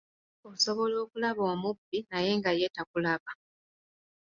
Osobola okulaba omubbi naye nga ye takulaba.